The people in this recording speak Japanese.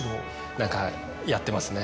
何かやってますね。